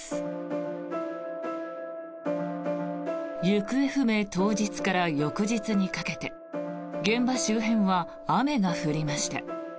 行方不明当日から翌日にかけて現場周辺は雨が降りました。